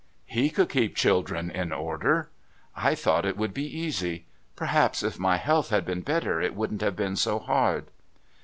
He could keep children in order. I thought it would be so easy. Perhaps if my health had been better it wouldn't have been so hard."